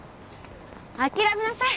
諦めなさい。